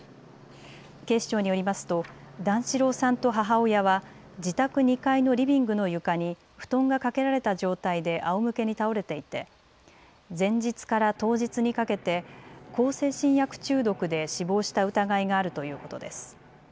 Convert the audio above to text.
警視庁によりますと段四郎さんと母親は自宅２階のリビングの床に布団がかけられた状態であおむけに倒れていて前日から当日にかけて向精神薬中毒で死亡した疑いがあるということです。